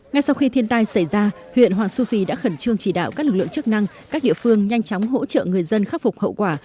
ngay sau khi thiên tai xảy ra huyện hoàng su phi đã khẩn trương chỉ đạo các lực lượng chức năng các địa phương nhanh chóng hỗ trợ người dân khắc phục hậu quả